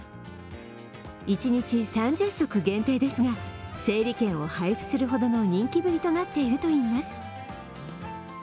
１日３０食限定ですが整理券を配布するほどの人気ぶりとなっているといいます。